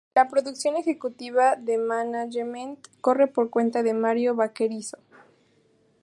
La producción ejecutiva y management corre por cuenta de Mario Vaquerizo.